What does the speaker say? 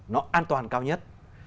nó an toàn cao nhất